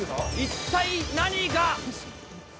一体何が？